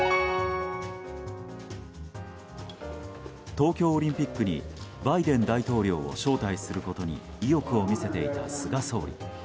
東京オリンピックにバイデン大統領を招待することに意欲を見せていた菅総理。